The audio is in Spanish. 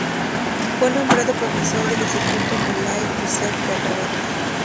Fue nombrado profesor del Instituto Mulay Yusef de Rabat.